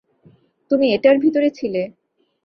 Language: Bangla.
তুমি এটার ভিতরে ছিলে।